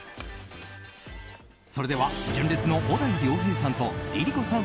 それでは純烈の小田井涼平さんとＬｉＬｉＣｏさん